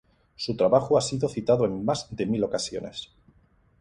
Su trabajo ha sido citado en más de mil ocasiones.